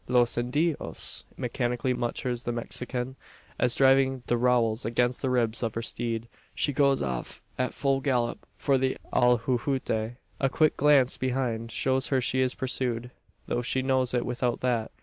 "Los Indios!" mechanically mutters the Mexican, as, driving the rowels against the ribs of her steed, she goes off at full gallop for the alhuehuete. A quick glance behind shows her she is pursued; though she knows it without that.